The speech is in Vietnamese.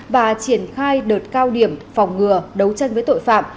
và triển khai đợt cao điểm phòng ngừa đấu tranh với tội phạm